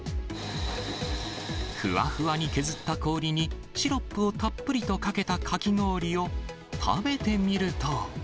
ふわふわに削った氷に、シロップをたっぷりとかけたかき氷を食べてみると。